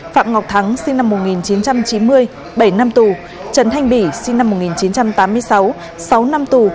phạm ngọc thắng sinh năm một nghìn chín trăm chín mươi bảy năm tù trần thanh bỉ sinh năm một nghìn chín trăm tám mươi sáu sáu năm tù